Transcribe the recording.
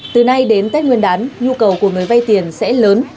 từ nay đến tết nguyên đán nhu cầu của người vay tiền sẽ lớn